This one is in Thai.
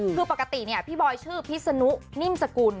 คือปกติพี่บอยชื่อพี่สนุกนิ่มสกุล